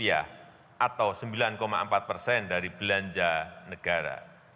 atau sembilan empat persen dari belanja negara